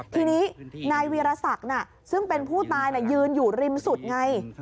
ทีนี้นายวีรศักดิ์ซึ่งเป็นผู้ตายยืนอยู่ริมสุดไง